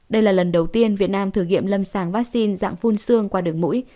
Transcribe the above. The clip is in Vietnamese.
đây là lần đầu tiên việt nam thử nghiệm lâm sàng vaccine dạng phun xương qua đường mũi